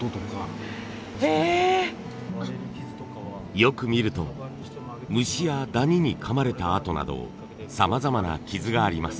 よく見ると虫やダニにかまれた痕などさまざまな傷があります。